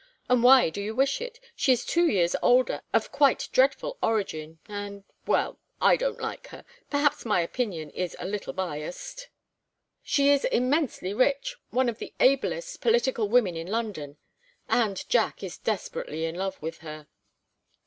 "And why do you wish it? She is two years older, of quite dreadful origin and well I don't like her; perhaps my opinion is a little biased." "She is immensely rich, one of the ablest political women in London, and Jack is desperately in love with her."